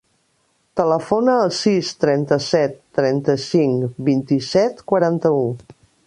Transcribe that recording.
Telefona al sis, trenta-set, trenta-cinc, vint-i-set, quaranta-u.